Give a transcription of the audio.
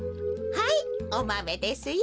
はいおマメですよ。